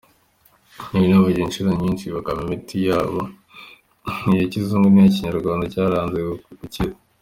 Nari narivuje inshuro nyinshi bakampa imiti yaba iya kizungu n’iya Kinyarwanda cyaranze gukira.